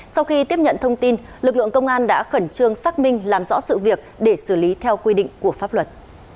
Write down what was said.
sau khi tiếp nhận thông tin lực lượng công an đã khẩn trương xác minh làm rõ sự việc để xử lý theo quy định của pháp luật